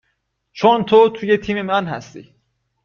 چون تو توی تیم من هستی